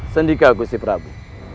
sendika gusti prabu